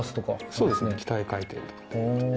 そうですね、機体回転とか。